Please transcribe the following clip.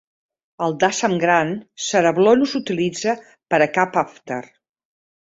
Al Dasam Granth, Sarabloh no s'utilitza per a cap Avtar.